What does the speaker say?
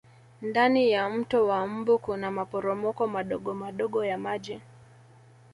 ndani ya mto wa mbu Kuna maporomoko madogomadogo ya maji